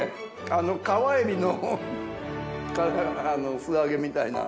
あの川エビの素揚げみたいな。